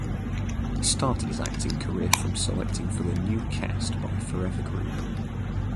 He started his acting career from selecting for the new cast by Forever Group.